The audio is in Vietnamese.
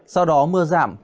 sau đó mưa giảm